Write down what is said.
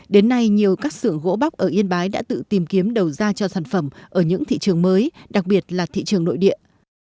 đến nay nhiều các xưởng gỗ bóc ở yên bái đã tự tìm kiếm đầu ra cho sản phẩm ở những thị trường mới đặc biệt là thị trường nội địa